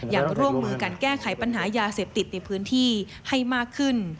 อย่างร่วมมือกันแก้ไขปัญหายาเสพติดในพื้นที่ให้มากขึ้น